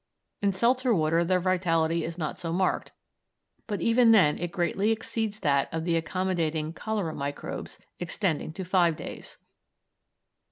In seltzer water their vitality is not so marked, but even then it greatly exceeds that of the accommodating cholera microbes, extending to five days.